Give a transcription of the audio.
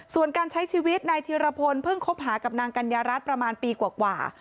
ส่วนการใช้ชีวิตนายธีรพลเพิ่งคบหากับนางกัญญารัฐประมาณปีกว่า